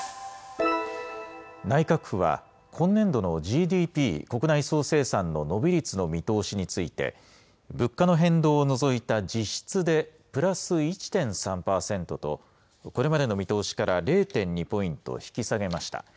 内閣府は、今年度のＧＤＰ・国内総生産の伸び率の見通しについて、物価の変動を除いた実質でプラス１．３％と、これまでの見通しから０．２ポイント引き下げました。